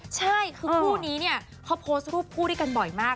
ใช่คือคู่นี้เนี่ยเขาโพสต์รูปคู่ด้วยกันบ่อยมาก